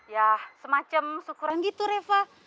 ya semacam syukuran gitu reva